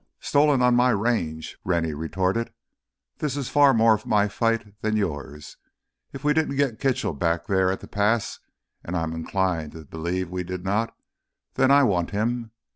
"Stolen on my range," Rennie retorted. "This is far more my fight than yours. If we didn't get Kitchell back there at the pass, and I'm inclined to believe that we did not, then I want him!